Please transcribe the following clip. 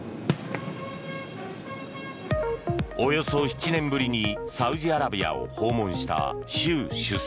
およそ７年ぶりにサウジアラビアを訪問した習主席。